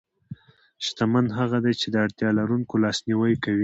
شتمن هغه دی چې د اړتیا لرونکو لاسنیوی کوي.